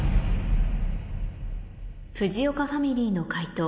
藤岡ファミリーの解答